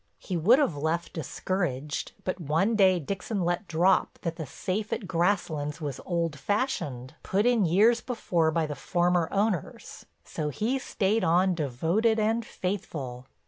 He would have left discouraged but one day Dixon let drop that the safe at Grasslands was old fashioned, put in years before by the former owners, so he stayed on devoted and faithful.